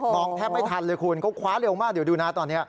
องแทบไม่ทันเลยคุณเขาคว้าเร็วมากเดี๋ยวดูนะตอนนี้